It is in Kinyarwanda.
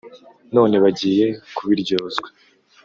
none bagiye kubiryozwa.